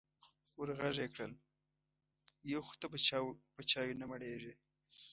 ور غږ یې کړل: یو خو ته په چایو نه مړېږې.